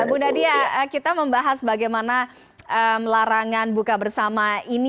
bu nadia kita membahas bagaimana larangan buka bersama ini